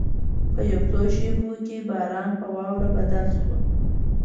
په یو څو شېبو کې باران په واوره بدل شو.